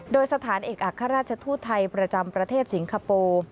โดยสถานเอกอัครราชทูตไทยประจำประเทศสิงคโปร์